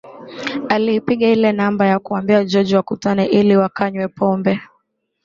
Aliipiga ile namba na kumwambia George wakutane ili wakanywe pombe